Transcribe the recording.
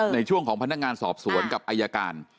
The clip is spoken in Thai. ในช่วงของพนักงานสอบสวนกับอายการ